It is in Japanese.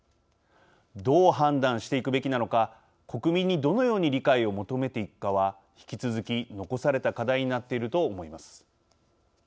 どう判断していくべきなのか国民にどのように理解を求めていくかは、引き続き残された課題になっていると思います。